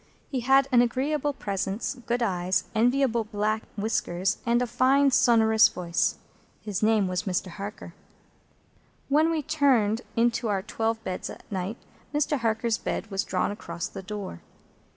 He had an agreeable presence, good eyes, enviable black whiskers, and a fine sonorous voice. His name was Mr. Harker. When we turned into our twelve beds at night, Mr. Harker's bed was drawn across the door.